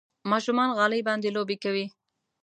ماشومان غالۍ باندې لوبې کوي.